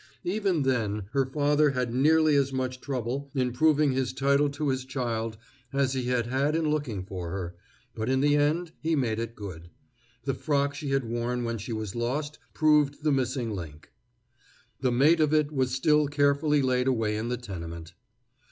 Even then her father had nearly as much trouble in proving his title to his child as he had had in looking for her, but in the end he made it good. The frock she had worn when she was lost proved the missing link. The mate of it was still carefully laid away in the tenement.